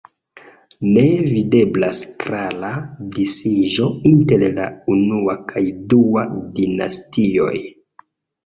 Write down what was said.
Ne videblas klara disiĝo inter la unua kaj dua dinastioj.